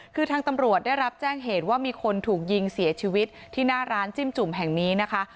คือทางตำรวจได้รับแจ้งเหตุว่ามีคนถูกยิงเสียชีวิตที่หน้าร้านจิ้มจุ่มแห่งนี้นะคะ